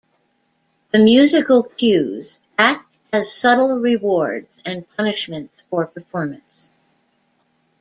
The musical cues act as subtle rewards and punishments for performance.